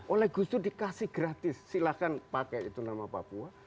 oleh gus dur dikasih gratis silahkan pakai itu nama papua